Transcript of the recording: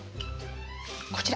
こちら！